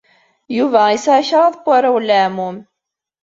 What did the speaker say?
Yuba yesɛa kraḍ n warraw n leɛmum.